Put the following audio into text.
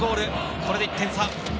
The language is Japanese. これで１点差。